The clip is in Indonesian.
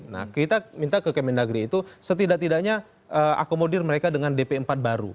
nah kita minta ke kemendagri itu setidak tidaknya akomodir mereka dengan dp empat baru